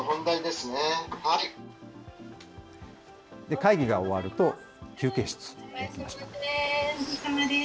会議が終わると、休憩室に行きました。